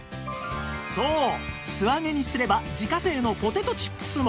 そう素揚げにすれば自家製のポテトチップスも！